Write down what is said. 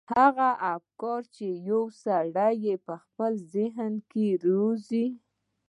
هغه افکار چې يو سړی يې په خپل ذهن کې روزي.